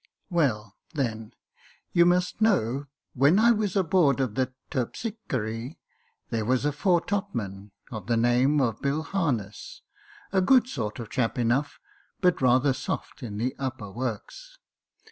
*' Well, then, you must know when I was a board of the Terp sy chore, there was a fore topman, of the name of Bill Harness, a good sort of chap enough, but rather soft in the upper works.